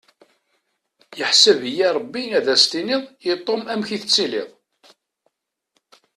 Yeḥsab-iyi Rebbi ad as-tiniḍ i Tom amek i tettiliḍ.